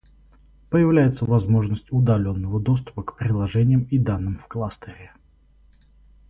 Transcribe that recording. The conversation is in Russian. Появляется возможность удаленного доступа к приложениям и данным в кластере